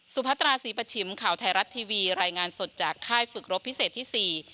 พัตราศรีประชิมข่าวไทยรัฐทีวีรายงานสดจากค่ายฝึกรบพิเศษที่สี่